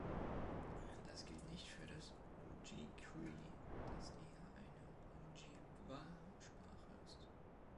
Das gilt nicht für das Oji-Cree, das eher eine Ojibwa-Sprache ist.